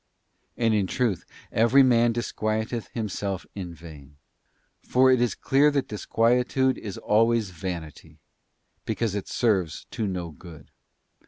'* And in truth, every man disquieteth himself in vain; for it is clear that disquietude is always vanity, because it serves to no good.